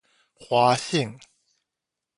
華信